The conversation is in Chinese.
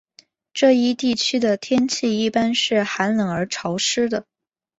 这一地区的天气一般是寒冷而潮湿的。